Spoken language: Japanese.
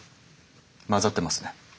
交ざってますね。